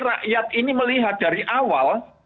rakyat ini melihat dari awal